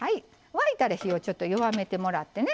沸いたら火をちょっと弱めてもらってね